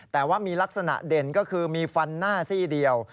แต่ว่ามีลักษณะเด่นก็คือมีฟันหน้าซี่เดียว